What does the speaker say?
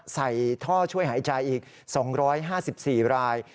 ใส่ท่อช่วยหายใจอีก๒๕๔ราย